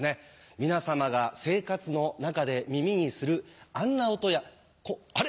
皆さまが生活の中で耳にするあんな音やあれ？